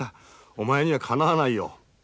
お前にはかなわないよ」。